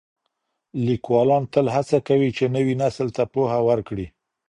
ليکوالان تل هڅه کوي چي نوي نسل ته پوهه ورکړي.